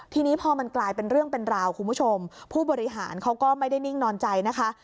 ทีนี้พอมันกลายเป็นเรื่องเป็นราวคุณผู้ชมผู้บริหารเขาก็ไม่ได้นิ่งนอนใจนะคะ